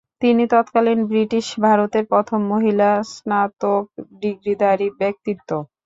তিনি তৎকালীন ব্রিটিশ ভারতের প্রথম মহিলা স্নাতক ডিগ্রীধারী ব্যক্তিত্ব।